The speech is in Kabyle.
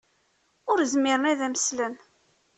Ur zmiren ad am-slen.